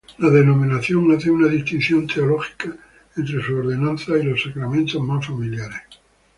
La denominación hace una distinción teológica entre sus ordenanzas y los sacramentos más familiares.